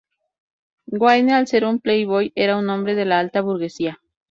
Wayne, al ser un playboy, era un hombre de la alta burguesía.